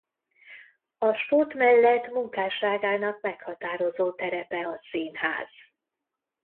A sport mellett munkásságának meghatározó terepe a színház.